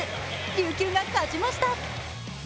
琉球が勝ちました。